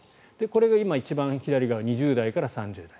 これが今、一番左側２０代から３０代。